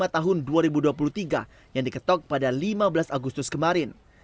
lima tahun dua ribu dua puluh tiga yang diketok pada lima belas agustus kemarin